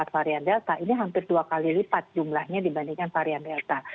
varian delta ini hampir dua kali lipat jumlahnya dibandingkan varian delta